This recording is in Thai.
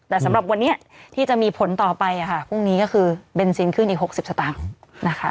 แต่สำหรับวันนี้ที่จะมีผลต่อไปพรุ่งนี้ก็คือเบนซินขึ้นอีก๖๐สตางค์นะคะ